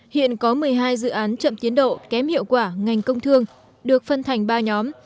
hiện có một mươi hai dự án chậm tiến độ kém hiệu quả ngành công thương được phân thành ba nhóm